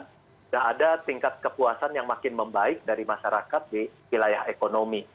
sudah ada tingkat kepuasan yang makin membaik dari masyarakat di wilayah ekonomi